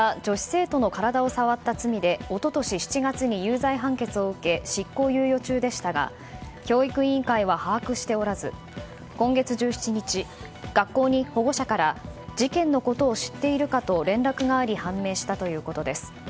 一昨年７月に有罪判決を受け執行猶予中でしたが教育委員会は把握しておらず今月１７日、学校に保護者から事件のことを知っているかと連絡があり判明したということです。